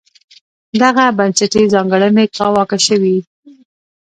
دغه بنسټي ځانګړنې کاواکه شوې.